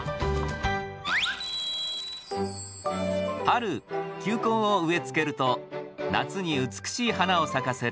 春球根を植えつけると夏に美しい花を咲かせるダリア。